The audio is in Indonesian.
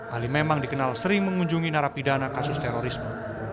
ali memang dikenal sering mengunjungi narapidana kasus terorisme